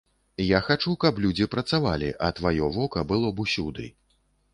Я хачу, каб людзі працавалі, а тваё вока было б усюды.